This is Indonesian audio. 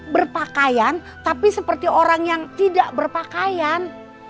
berpakaian tapi seperti orang yang tidak berpakaian